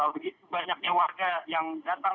begitu banyaknya warga yang datang